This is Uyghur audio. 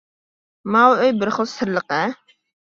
ماۋۇ ئۆي بىر خىل سىرلىق ھە!